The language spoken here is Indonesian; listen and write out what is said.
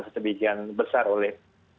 sebegian besar oleh